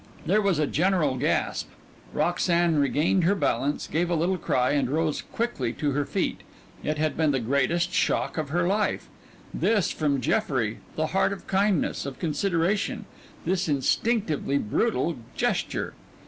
There was a general gasp. Roxanne regained her balance, gave a little cry, and rose quickly to her feet. It had been the greatest shock of her life. This, from Jeffrey, the heart of kindness, of consideration this instinctively brutal gesture.